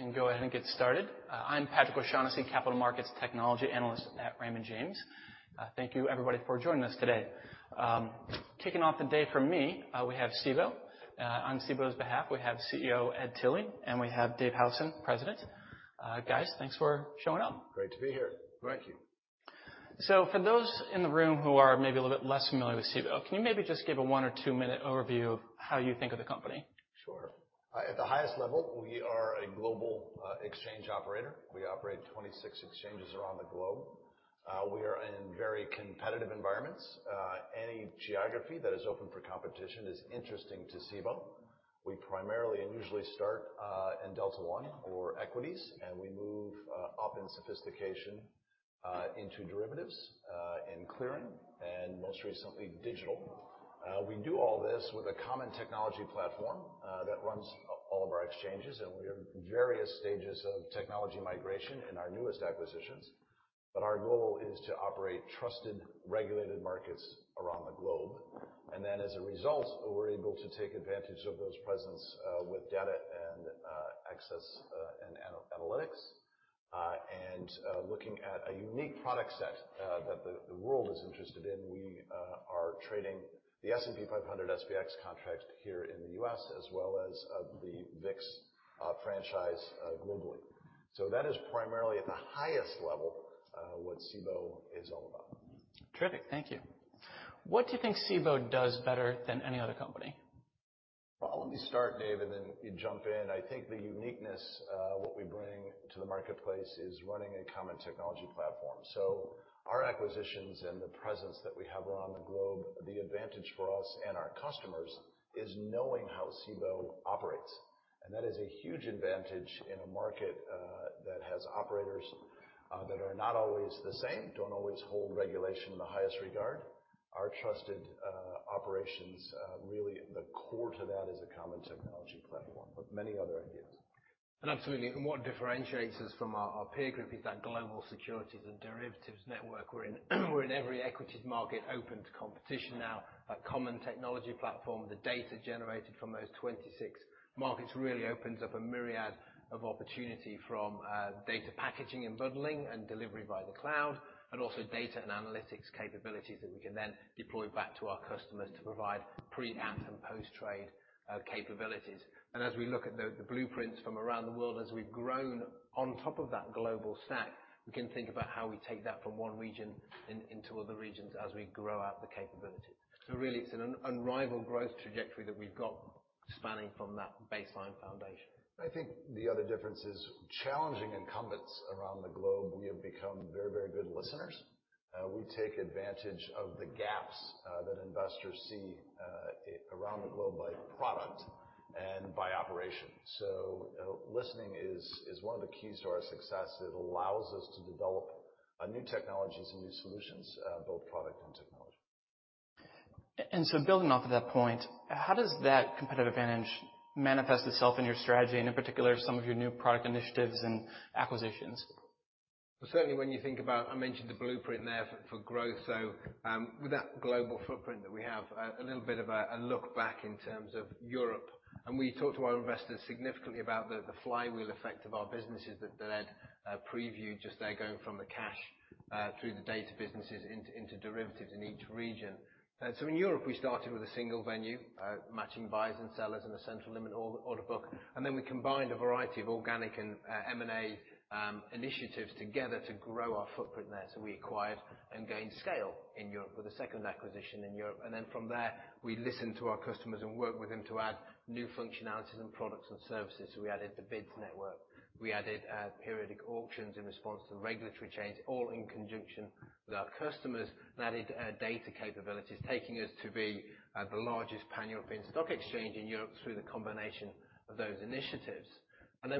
We can go ahead and get started. I'm Patrick O'Shaughnessy, Capital Markets Technology Analyst at Raymond James. Thank you, everybody, for joining us today. Kicking off the day for me, we have Cboe. On Cboe's behalf, we have CEO Ed Tilly, and we have Dave Howson, President. Guys, thanks for showing up. Great to be here. Thank you. For those in the room who are maybe a little bit less familiar with Cboe, can you maybe just give a one or two-minute overview of how you think of the company? Sure. At the highest level, we are a global exchange operator. We operate 26 exchanges around the globe. We are in very competitive environments. Any geography that is open for competition is interesting to Cboe. We primarily and usually start in Delta One or equities, and we move up in sophistication into derivatives in clearing and most recently, digital. We do all this with a common technology platform that runs all of our exchanges, and we are in various stages of technology migration in our newest acquisitions. Our goal is to operate trusted, regulated markets around the globe. As a result, we're able to take advantage of those presence with data and access and analytics. Looking at a unique product set that the world is interested in, we are trading the S&P 500 SPX contract here in the U.S. as well as the VIX franchise globally. That is primarily at the highest level, what Cboe is all about. Terrific. Thank you. What do you think Cboe does better than any other company? Well, let me start, Dave, and then you jump in. I think the uniqueness of what we bring to the marketplace is running a common technology platform. Our acquisitions and the presence that we have around the globe, the advantage for us and our customers is knowing how Cboe operates. That is a huge advantage in a market that has operators that are not always the same, don't always hold regulation in the highest regard. Our trusted operations really the core to that is a common technology platform with many other ideas. Absolutely, what differentiates us from our peer group is that global securities and derivatives network. We're in every equities market open to competition now. That common technology platform, the data generated from those 26 markets really opens up a myriad of opportunity from data packaging and bundling and delivery via the cloud, and also data and analytics capabilities that we can then deploy back to our customers to provide pre, at, and post-trade capabilities. As we look at the blueprints from around the world, as we've grown on top of that global stack, we can think about how we take that from one region into other regions as we grow out the capability. Really it's an unrivaled growth trajectory that we've got spanning from that baseline foundation. I think the other difference is challenging incumbents around the globe, we have become very, very good listeners. We take advantage of the gaps, that investors see, around the globe by product and by operation. Listening is one of the keys to our success. It allows us to develop new technologies and new solutions, both product and technology. Building off of that point, how does that competitive advantage manifest itself in your strategy, and in particular, some of your new product initiatives and acquisitions? Well, certainly when you think about, I mentioned the blueprint there for growth, so, with that global footprint that we have, a little bit of a look back in terms of Europe. We talk to our investors significantly about the flywheel effect of our businesses that Ed previewed just there going from the cash through the data businesses into derivatives in each region. So in Europe, we started with a single venue matching buyers and sellers in a central limit order book. We combined a variety of organic and M&A initiatives together to grow our footprint there. We acquired and gained scale in Europe with a second acquisition in Europe. From there, we listened to our customers and worked with them to add new functionalities and products and services. We added the BIDS network. We added Periodic Auctions in response to regulatory change, all in conjunction with our customers, and added data capabilities, taking us to be the largest pan-European stock exchange in Europe through the combination of those initiatives.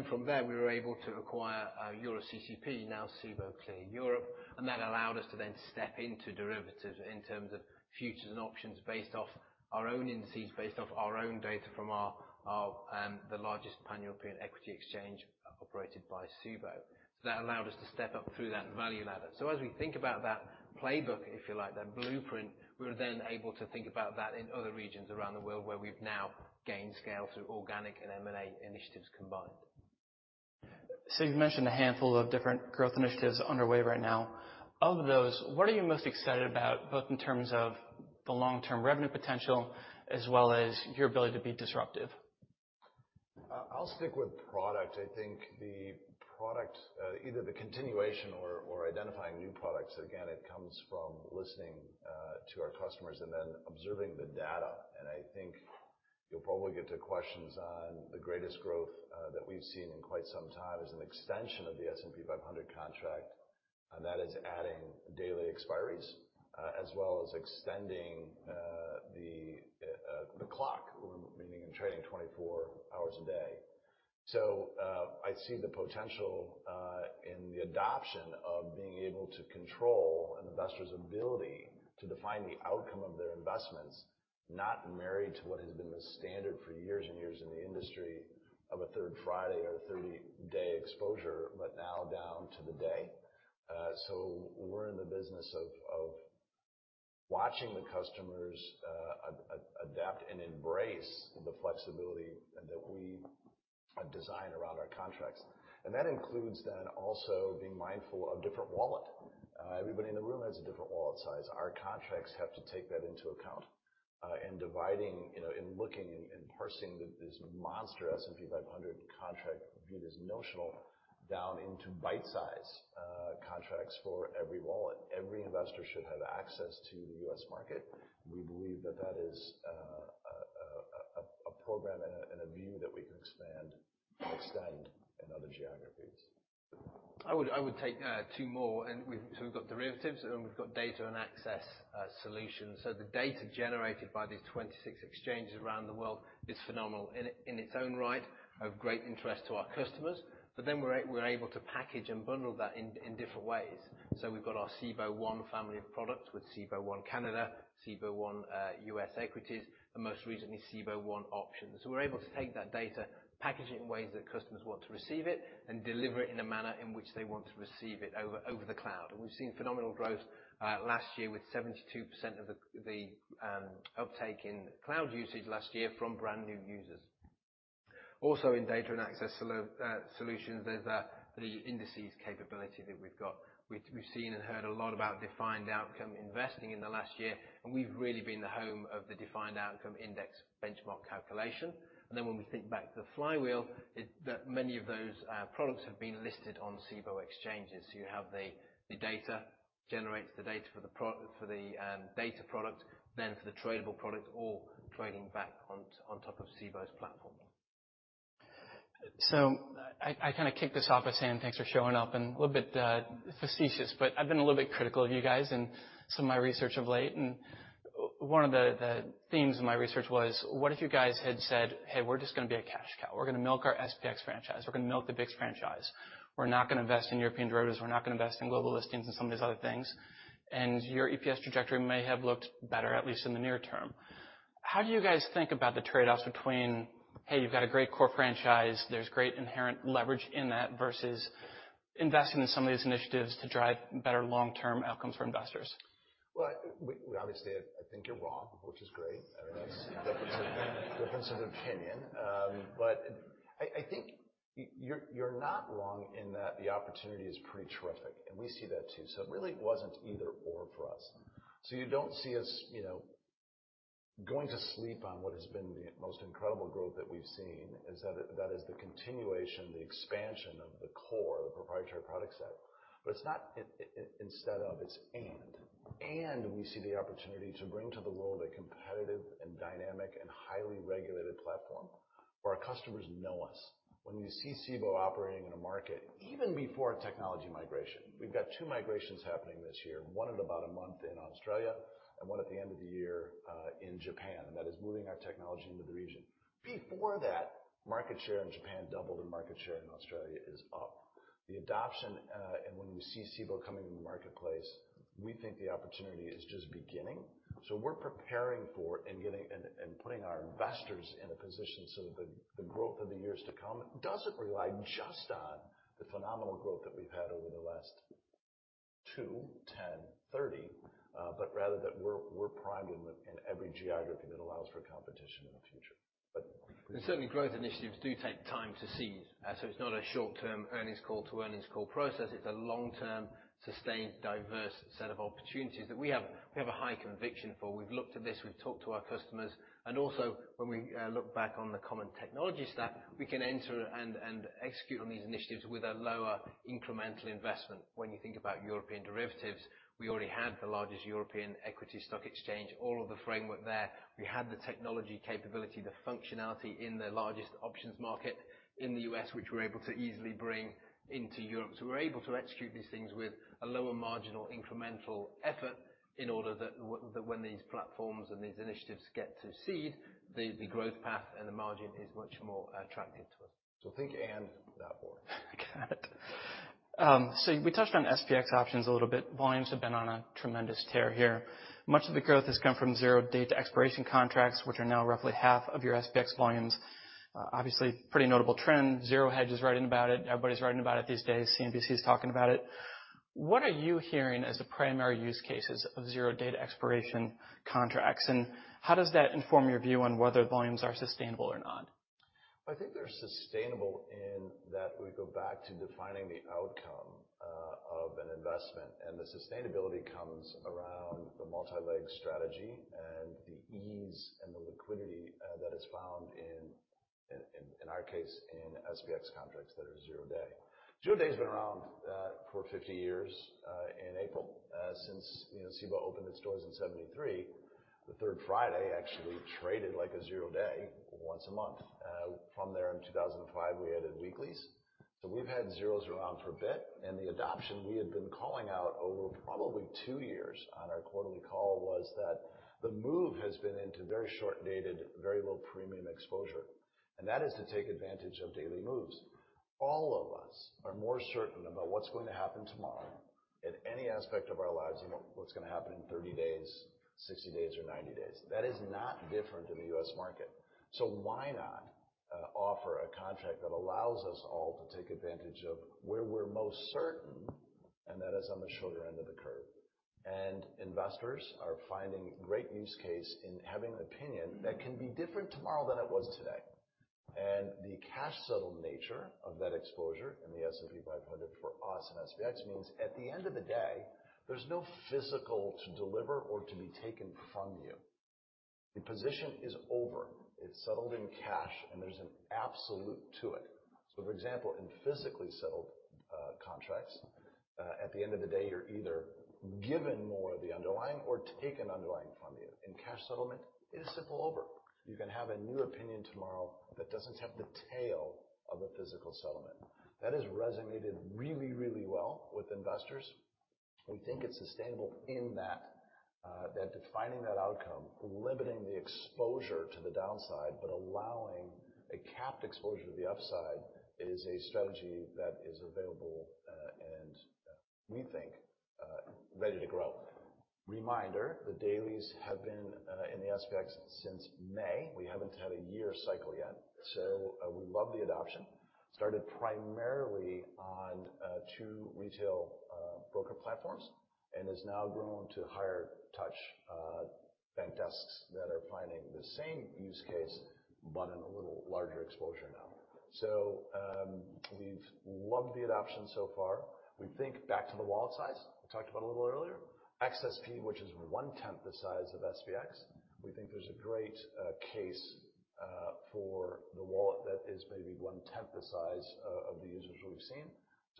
From there, we were able to acquire EuroCCP, now Cboe Clear Europe, and that allowed us to then step into derivatives in terms of futures and options based off our own indices, based off our own data from our, the largest pan-European equity exchange operated by Cboe. That allowed us to step up through that value ladder. As we think about that playbook, if you like, that blueprint, we're then able to think about that in other regions around the world where we've now gained scale through organic and M&A initiatives combined. You've mentioned a handful of different growth initiatives underway right now. Of those, what are you most excited about, both in terms of the long-term revenue potential as well as your ability to be disruptive? I'll stick with product. I think the product, either the continuation or identifying new products, again, it comes from listening to our customers and then observing the data. I think you'll probably get to questions on the greatest growth that we've seen in quite some time is an extension of the S&P 500 contract, and that is adding daily expiries, as well as extending the clock, meaning in trading 24-hours a day. I see the potential in the adoption of being able to control an investor's ability to define the outcome of their investments, not married to what has been the standard for years and years in the industry of a third Friday or a 30-day exposure, but now down to the day. We're in the business of watching the customers adapt and embrace the flexibility that we have designed around our contracts. That includes then also being mindful of different wallet. Everybody in the room has a different wallet size. Our contracts have to take that into account. Dividing, you know, and looking and parsing this monster S&P 500 contract view as notional down into bite size contracts for every wallet. Every investor should have access to the U.S. market. We believe that that is a program and a view that we can expand and extend in other geographies. I would take two more. We've got derivatives, and then we've got data and access solutions. The data generated by these 26 exchanges around the world is phenomenal in its own right of great interest to our customers. We're able to package and bundle that in different ways. We've got our Cboe One family of products, with Cboe One Canada, Cboe One U.S. Equities, and most recently Cboe One Options. We're able to take that data, package it in ways that customers want to receive it, and deliver it in a manner in which they want to receive it over the cloud. We've seen phenomenal growth last year with 72% of the uptake in cloud usage last year from brand-new users. Also in data and access solutions, there's that the indices capability that we've got. We've seen and heard a lot about defined outcome investing in the last year, and we've really been the home of the defined outcome index benchmark calculation. When we think back to the flywheel, that many of those products have been listed on Cboe exchanges. You have the data generates the data for the data product, then for the tradable product all trading back on top of Cboe's platform. I kinda kick this off by saying thanks for showing up and a little bit facetious, but I've been a little bit critical of you guys in some of my research of late. One of the themes of my research was, what if you guys had said, "Hey, we're just gonna be a cash cow. We're gonna milk our SPX franchise. We're gonna milk the VIX franchise. We're not gonna invest in European derivatives. We're not gonna invest in global listings and some of these other things." Your EPS trajectory may have looked better, at least in the near term. How do you guys think about the trade-offs between, hey, you've got a great core franchise, there's great inherent leverage in that, versus investing in some of these initiatives to drive better long-term outcomes for investors? Well, we obviously-- I think you're wrong, which is great. I mean, that's difference of opinion. I think you're not wrong in that the opportunity is pretty terrific, and we see that too. It really wasn't either/or for us. You don't see us, you know, going to sleep on what has been the most incredible growth that we've seen, is the continuation, the expansion of the core, the proprietary product set. It's not instead of, it's and. We see the opportunity to bring to the world a competitive and dynamic and highly regulated platform where our customers know us. When you see Cboe operating in a market, even before technology migration... We've got two migrations happening this year, one in about a month in Australia and one at the end of the year, in Japan, and that is moving our technology into the region. Before that, market share in Japan doubled, and market share in Australia is up. The adoption, and when we see Cboe coming in the marketplace, we think the opportunity is just beginning. We're preparing for and putting our investors in a position so that the growth of the years to come doesn't rely just on the phenomenal growth that we've had over the last two, 10, 30, but rather that we're primed in every geography that allows for competition in the future. Certainly growth initiatives do take time to seed. So it's not a short-term earnings call to earnings call process. It's a long-term, sustained, diverse set of opportunities that we have a high conviction for. We've looked at this, we've talked to our customers. Also, when we look back on the common technology stack, we can enter and execute on these initiatives with a lower incremental investment. When you think about European derivatives, we already had the largest European equity stock exchange, all of the framework there. We had the technology capability, the functionality in the largest options market in the U.S., which we're able to easily bring into Europe. We're able to execute these things with a lower marginal incremental effort in order that when these platforms and these initiatives get to seed, the growth path and the margin is much more attractive to us. think and that more. Got it. We touched on SPX options a little bit. Volumes have been on a tremendous tear here. Much of the growth has come from zero days to expiration contracts, which are now roughly half of your SPX volumes. Obviously pretty notable trend. ZeroHedge is writing about it. Everybody's writing about it these days. CNBC is talking about it. What are you hearing as the primary use cases of zero days to expiration contracts, and how does that inform your view on whether volumes are sustainable or not? I think they're sustainable in that we go back to defining the outcome of an investment. The sustainability comes around the multi-leg strategy and the ease and the liquidity that is found in our case, in SPX contracts that are zero-day. Zero-day's been around for 50 years in April. Since, you know, Cboe opened its doors in 73, the third Friday actually traded like a zero-day once a month. From there in 2005, we added Weeklys. We've had zeros around for a bit, and the adoption we had been calling out over probably two years on our quarterly call was that the move has been into very short-dated, very low premium exposure. That is to take advantage of daily moves. All of us are more certain about what's going to happen tomorrow in any aspect of our lives than what's gonna happen in 30 days, 60 days, or 90 days. That is not different in the U.S. market. Why not offer a contract that allows us all to take advantage of where we're most certain, and that is on the shorter end of the curve. Investors are finding great use case in having an opinion that can be different tomorrow than it was today. The cash-settled nature of that exposure in the S&P 500 for us and SPX means at the end of the day, there's no physical to deliver or to be taken from you. The position is over. It's settled in cash, and there's an absolute to it. For example, in physically settled contracts, at the end of the day, you're either given more of the underlying or taken underlying from you. In cash settlement, it is simple over. You can have a new opinion tomorrow that doesn't have the tail of a physical settlement. That has resonated really, really well with investors. We think it's sustainable in that defining that outcome, limiting the exposure to the downside, but allowing a capped exposure to the upside is a strategy that is available, and we think ready to grow. Reminder, the dailies have been in the SPX since May. We haven't had a year cycle yet, so we love the adoption. Started primarily on, two retail, broker platforms and has now grown to higher touch, bank desks that are finding the same use case, but in a little larger exposure now. We've loved the adoption so far. We think back to the wallet size we talked about a little earlier. XSP, which is one-tenth the size of SPX, we think there's a great, case, for the wallet that is maybe one-tenth the size of the users we've seen.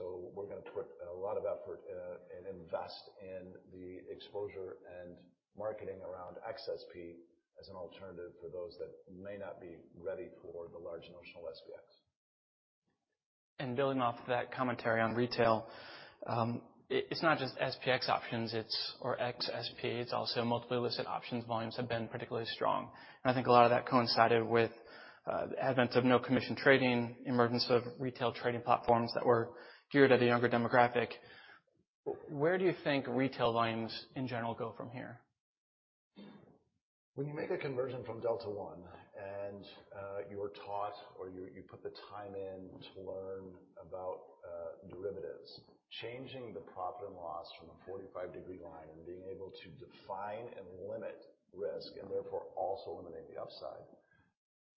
We're gonna put a lot of effort, and invest in the exposure and marketing around XSP as an alternative for those that may not be ready for the large notional SPX. Building off that commentary on retail, it's not just SPX options, it's or XSP, it's also multiple listed options. Volumes have been particularly strong. I think a lot of that coincided with the advent of no commission trading, emergence of retail trading platforms that were geared at a younger demographic. Where do you think retail volumes in general go from here? When you make a conversion from Delta One and you are taught or you put the time in to learn about derivatives, changing the profit and loss from the 45-degree line and being able to define and limit risk, and therefore also eliminate the upside,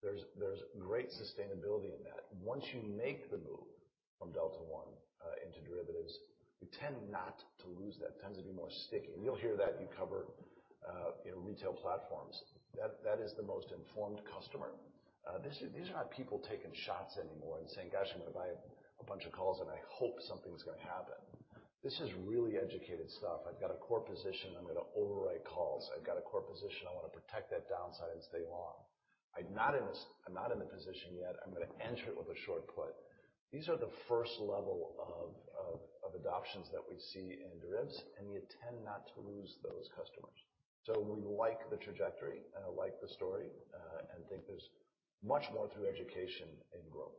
there's great sustainability in that. Once you make the move from Delta One into derivatives, you tend not to lose. That tends to be more sticky. You'll hear that if you cover retail platforms. That is the most informed customer. These are not people taking shots anymore and saying, "Gosh, I'm gonna buy a bunch of calls, and I hope something's gonna happen." This is really educated stuff. I've got a core position, I'm gonna overwrite calls. I've got a core position, I wanna protect that downside and stay long. I'm not in the position yet. I'm gonna enter it with a short put. These are the first level of adoptions that we see in derivatives, and you tend not to lose those customers. We like the trajectory, like the story, and think there's much more to education and growth.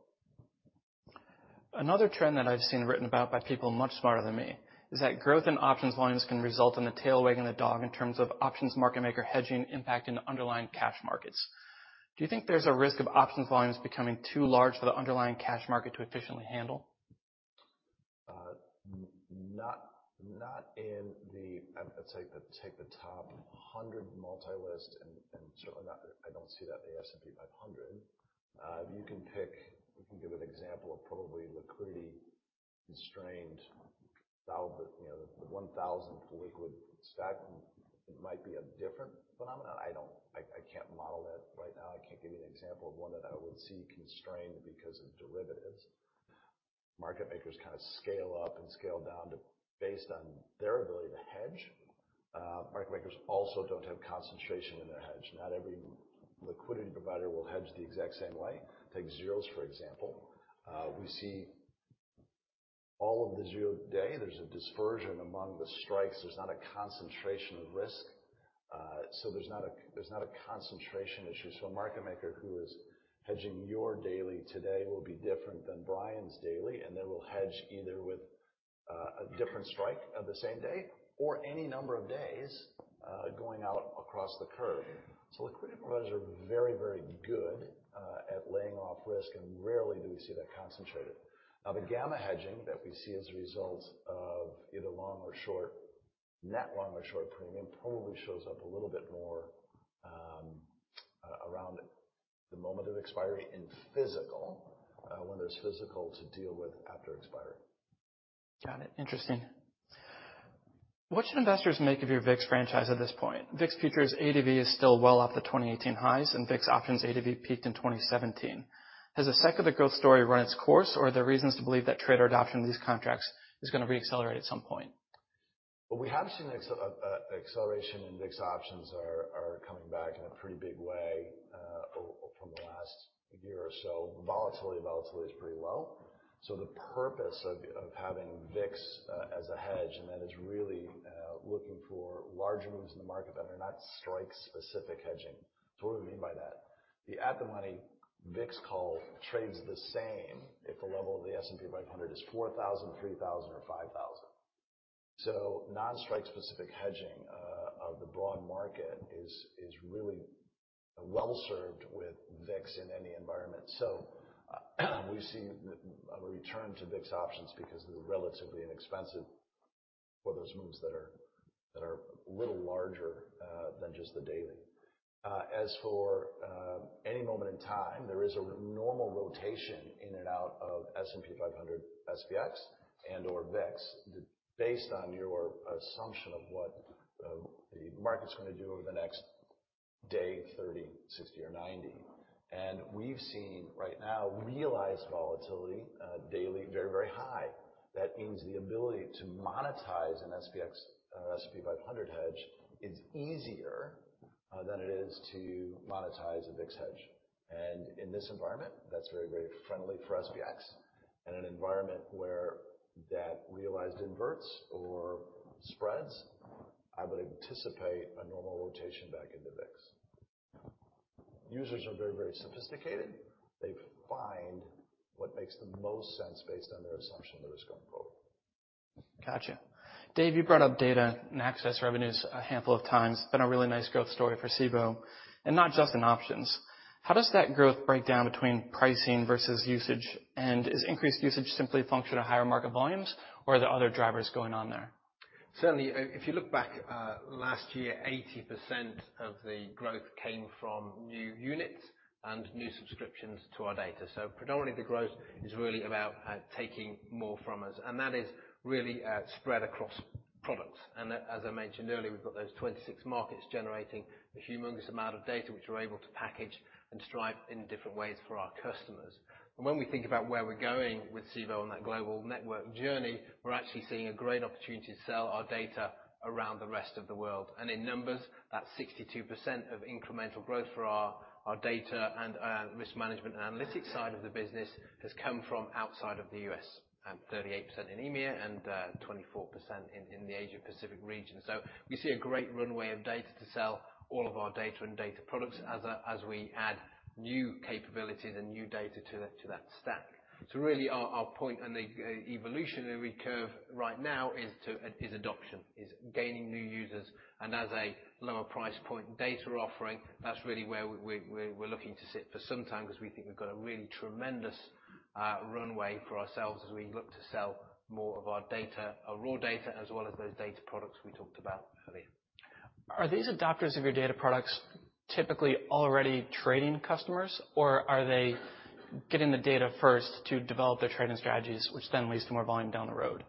Another trend that I've seen written about by people much smarter than me is that growth in options volumes can result in the tail wagging the dog in terms of options market maker hedging impact in the underlying cash markets. Do you think there's a risk of options volumes becoming too large for the underlying cash market to efficiently handle? Not in the. I'd take the 100 multi-list and certainly not. I don't see that in the S&P 500. You can pick. We can give an example of probably liquidity-constrained, you know, the 1,000th liquid stack might be a different phenomenon. I don't. I can't model that right now. I can't give you an example of one that I would see constrained because of derivatives. Market makers kinda scale up and scale down based on their ability to hedge. Market makers also don't have concentration in their hedge. Not every liquidity provider will hedge the exact same way. Take zeros, for example. We see all of the zero-day, there's a dispersion among the strikes. There's not a concentration of risk. There's not a concentration issue. A market maker who is hedging your daily today will be different than Brian's daily, and they will hedge either with a different strike of the same day or any number of days going out across the curve. Liquidity providers are very, very good at laying off risk, and rarely do we see that concentrated. The gamma hedging that we see as a result of either long or short, net long or short premium probably shows up a little bit more around the moment of expiry in physical when there's physical to deal with after expiry. Got it. Interesting. What should investors make of your VIX franchise at this point? VIX futures ADV is still well off the 2018 highs and VIX options ADV peaked in 2017. Has the sector growth story run its course, or are there reasons to believe that trader adoption of these contracts is gonna re-accelerate at some point? We have seen acceleration in VIX options are coming back in a pretty big way over the last year or so. Volatility is pretty low. The purpose of having VIX as a hedge, and that is really looking for large moves in the market that are not strike-specific hedging. What do we mean by that? The at the money VIX call trades the same if the level of the S&P 500 is 4,000, 3,000 or 5,000. Non-strike specific hedging of the broad market is really well served with VIX in any environment. We've seen a return to VIX options because they're relatively inexpensive for those moves that are a little larger than just the daily. As for any moment in time, there is a normal rotation in and out of S&P 500 SPX and/or VIX based on your assumption of what the market's gonna do over the next day, 30, 60 or 90. We've seen right now realized volatility daily very, very high. That means the ability to monetize an SPX, an S&P 500 hedge is easier than it is to monetize a VIX hedge. In this environment, that's very, very friendly for SPX. In an environment where that realized inverts or spreads, I would anticipate a normal rotation back into VIX. Users are very, very sophisticated. They find what makes the most sense based on their assumption of what's going to quote. Gotcha. Dave, you brought up data and access revenues a handful of times. It's been a really nice growth story for Cboe, and not just in options. How does that growth break down between pricing versus usage? Is increased usage simply a function of higher market volumes or are there other drivers going on there? Certainly. If you look back, last year, 80% of the growth came from new units and new subscriptions to our data. Predominantly the growth is really about taking more from us, and that is really spread across products. As I mentioned earlier, we've got those 26 markets generating a humongous amount of data, which we're able to package and stripe in different ways for our customers. When we think about where we're going with Cboe on that global network journey, we're actually seeing a great opportunity to sell our data around the rest of the world. In numbers, that's 62% of incremental growth for our data and risk management and analytics side of the business has come from outside of the U.S., 38% in EMEA and 24% in the Asia Pacific region. We see a great runway of data to sell all of our data and data products as we add new capabilities and new data to that stack. Really our point and the evolutionary curve right now is adoption, is gaining new users. As a lower price point data offering, that's really where we're looking to sit for some time because we think we've got a really tremendous runway for ourselves as we look to sell more of our data, our raw data as well as those data products we talked about earlier. Are these adopters of your data products typically already trading customers, or are they getting the data first to develop their trading strategies, which then leads to more volume down the road?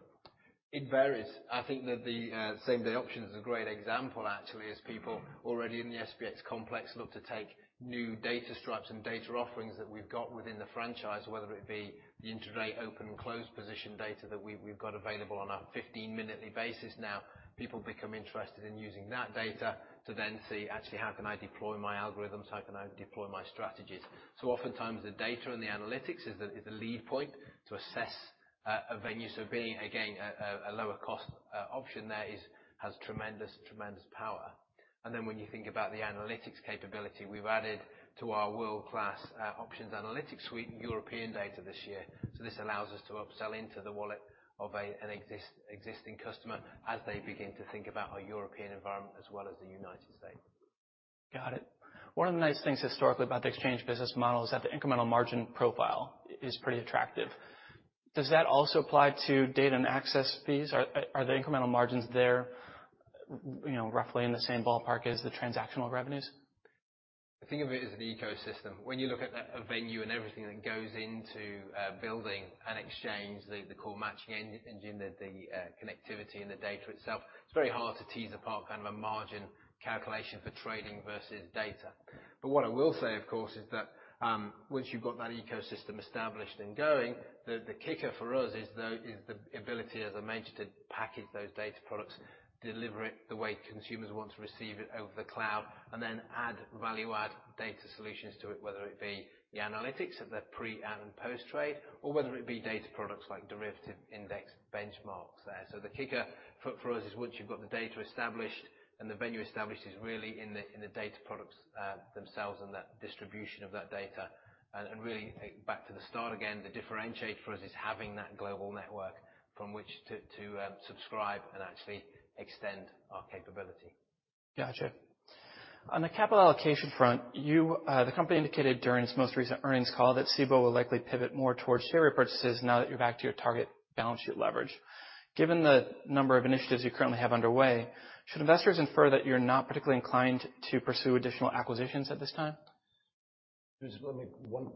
It varies. I think that the same-day option is a great example actually, as people already in the SPX complex look to take new data stripes and data offerings that we've got within the franchise. Whether it be the intraday open and close position data that we've got available on a fifteen-minutely basis now. People become interested in using that data to then see actually how can I deploy my algorithms, how can I deploy my strategies. Oftentimes the data and the analytics is the, is the lead point to assess a venue. Being, again, a lower cost option there has tremendous power. When you think about the analytics capability, we've added to our world-class options analytics suite European data this year. This allows us to upsell into the wallet of an existing customer as they begin to think about a European environment as well as the United States. Got it. One of the nice things historically about the exchange business model is that the incremental margin profile is pretty attractive. Does that also apply to data and access fees? Are the incremental margins there, you know, roughly in the same ballpark as the transactional revenues? Think of it as an ecosystem. When you look at a venue and everything that goes into building an exchange, the core matching engine, the connectivity and the data itself, it's very hard to tease apart kind of a margin calculation for trading versus data. What I will say, of course, is that once you've got that ecosystem established and going, the kicker for us is the ability, as I mentioned, to package those data products, deliver it the way consumers want to receive it over the cloud, and then add value-add data solutions to it, whether it be the analytics of the pre and post-trade or whether it be data products like derivative index benchmarks there. The kicker for us is once you've got the data established and the venue established is really in the data products themselves and the distribution of that data. Really back to the start again, the differentiate for us is having that global network from which to subscribe and actually extend our capability. Gotcha. On the capital allocation front, you, the company indicated during its most recent earnings call that Cboe will likely pivot more towards share repurchases now that you're back to your target balance sheet leverage. Given the number of initiatives you currently have underway, should investors infer that you're not particularly inclined to pursue additional acquisitions at this time? Just let me. One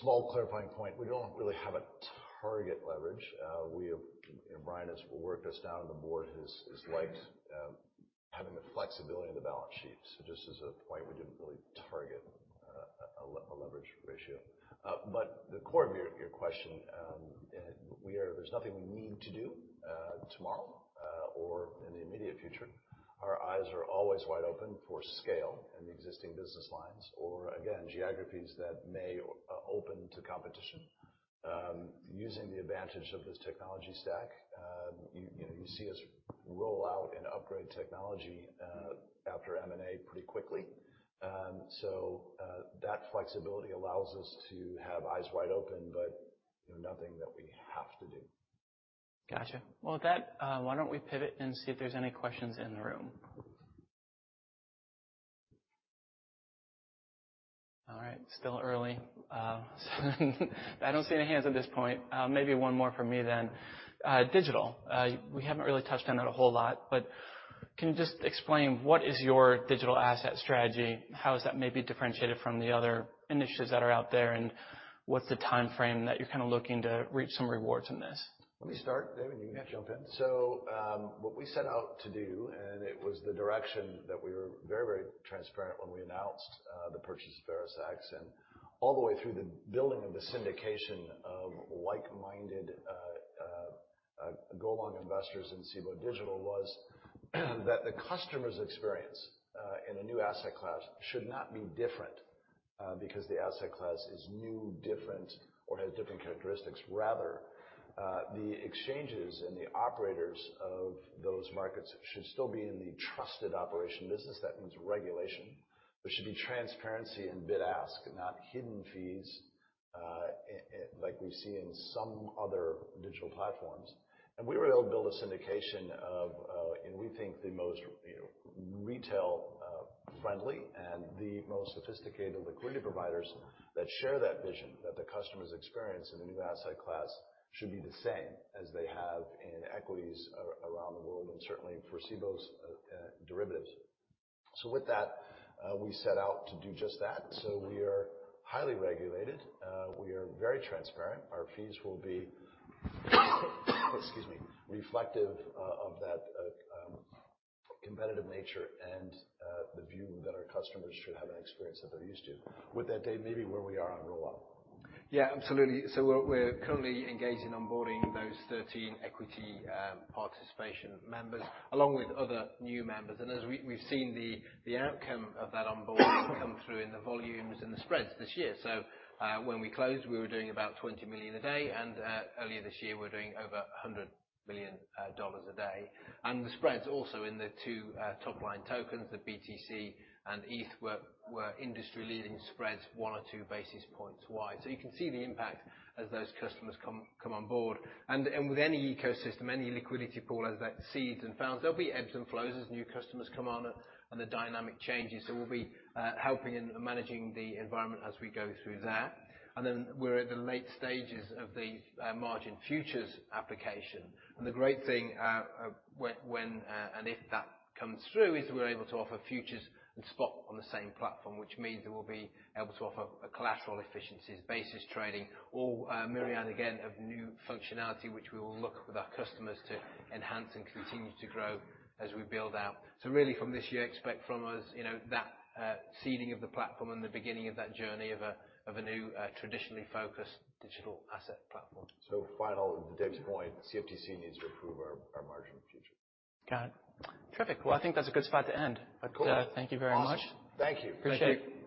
small clarifying point. We don't really have a target leverage. We have Brian has worked us down, and the board has liked having the flexibility in the balance sheet. Just as a point, we didn't really target a leverage ratio. The core of your question, there's nothing we need to do tomorrow or in the immediate future. Our eyes are always wide open for scale in the existing business lines or again, geographies that may open to competition, using the advantage of this technology stack. You know, you see us roll out and upgrade technology after M&A pretty quickly. That flexibility allows us to have eyes wide open, but, you know, nothing that we have to do. Gotcha. With that, why don't we pivot and see if there's any questions in the room. Still early. I don't see any hands at this point. Maybe one more from me then. Digital, we haven't really touched on that a whole lot, but can you just explain what is your digital asset strategy? How is that maybe differentiated from the other initiatives that are out there, and what's the timeframe that you're kinda looking to reach some rewards in this? Let me start. Dave, you can jump in. What we set out to do, and it was the direction that we were very, very transparent when we announced the purchase of ErisX and all the way through the building of the syndication of like-minded, go-along investors in Cboe Digital was that the customer's experience in a new asset class should not be different because the asset class is new, different, or has different characteristics. Rather, the exchanges and the operators of those markets should still be in the trusted operation business. That means regulation. There should be transparency and bid-ask, not hidden fees, like we see in some other digital platforms. We were able to build a syndication of, and we think the most, you know, retail friendly and the most sophisticated liquidity providers that share that vision, that the customer's experience in the new asset class should be the same as they have in equities around the world, and certainly for Cboe's derivatives. With that, we set out to do just that. We are highly regulated. We are very transparent. Our fees will be reflective of that competitive nature and the view that our customers should have an experience that they're used to. With that, Dave, maybe where we are on rollout. Yeah, absolutely. We're currently engaging onboarding those 13 equity participation members along with other new members. As we've seen the outcome of that onboard come through in the volumes and the spreads this year. When we closed, we were doing about $20 million a day, and earlier this year, we're doing over $100 million a day. The spreads also in the two top line tokens, the BTC and ETH, were industry-leading spreads one or two basis points wide. You can see the impact as those customers come on board. With any ecosystem, any liquidity pool as that seeds and founds, there'll be ebbs and flows as new customers come on and the dynamic changes. We'll be helping in managing the environment as we go through that. We're at the late stages of the margined futures application. The great thing, when and if that comes through is we're able to offer futures and spot on the same platform, which means that we'll be able to offer a collateral efficiencies, basis trading, all myriad, again, of new functionality, which we will look with our customers to enhance and continue to grow as we build out. Really from this year, expect from us, you know, that seeding of the platform and the beginning of that journey of a new, traditionally focused digital asset platform. Final to Dave's point, CFTC needs to approve our margin future. Got it. Terrific. I think that's a good spot to end. Of course. Thank you very much. Awesome. Thank you. Appreciate it.